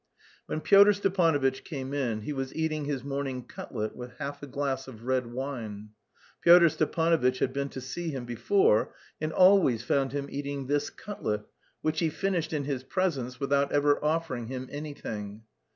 When Pyotr Stepanovitch came in, he was eating his morning cutlet with half a glass of red wine. Pyotr Stepanovitch had been to see him before and always found him eating this cutlet, which he finished in his presence without ever offering him anything.